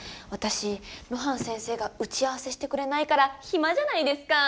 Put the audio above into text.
露伴先生が打ち合わせしてくれないからヒマじゃないですかー。